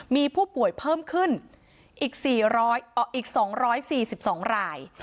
มีผู้ป่วยเพิ่มขึ้นอีก๒๔๒ราย